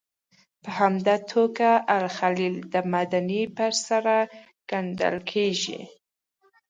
په همدې توګه الخلیل د مدینې په څېر ګڼل کېږي.